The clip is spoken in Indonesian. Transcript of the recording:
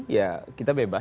ya kita bebas ya